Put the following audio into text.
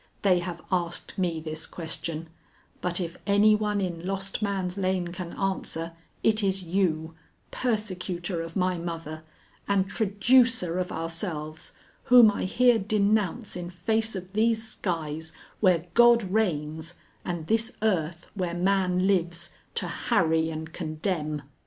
They have asked me this question, but if any one in Lost Man's Lane can answer, it is you, persecutor of my mother, and traducer of ourselves, whom I here denounce in face of these skies where God reigns and this earth where man lives to harry and condemn."